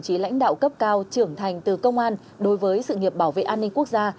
chí lãnh đạo cấp cao trưởng thành từ công an đối với sự nghiệp bảo vệ an ninh quốc gia